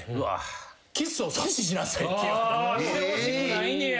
してほしくないねや。